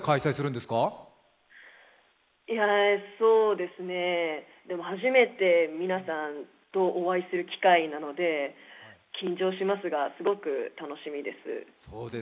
でも初めて皆さんとお会いする機会なので、緊張しますが、すごく楽しみです。